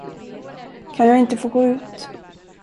Kan jag inte få gå ut?